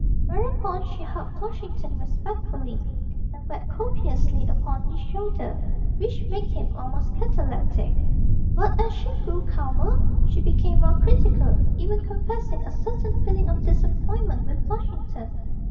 Whereupon she hugged Flushington respectfully, and wept copiously upon his shoulder, which made him almost cataleptic. But as she grew calmer, she became more critical, even confessing a certain feeling of disappointment with Flushington.